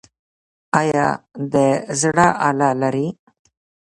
ایا د زړه آله لرئ؟